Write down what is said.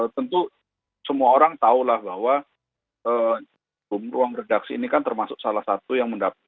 tentu semua orang tahulah bahwa ruang redaksi ini kan termasuk salah satu yang mendapatkan